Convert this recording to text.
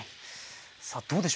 さあどうでしょうか？